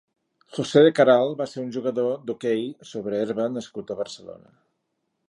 José de Caralt va ser un jugador d'hoquei sobre herba nascut a Barcelona.